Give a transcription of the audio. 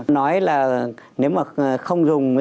nói là nếu mà không dùng